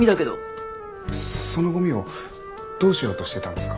そのゴミをどうしようとしてたんですか？